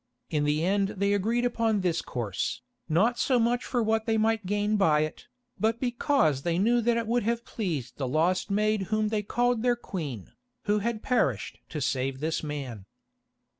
In the end they agreed upon this course, not so much for what they might gain by it, but because they knew that it would have pleased the lost maid whom they called their Queen, who had perished to save this man.